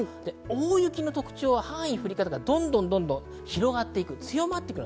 大雪の特徴は範囲、降り方がどんどん広がっていきます。